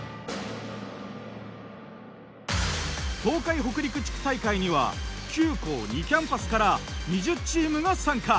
東海北陸地区大会には９校２キャンパスから２０チームが参加。